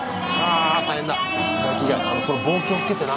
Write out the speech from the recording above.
その棒気をつけてな。